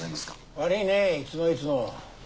悪いねいつもいつも。